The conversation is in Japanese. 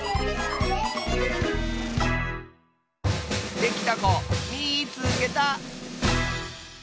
できたこみいつけた！